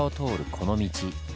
この道。